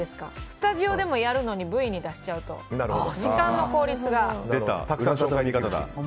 スタジオでもやるのにＶＴＲに出しちゃうと時間の効率が。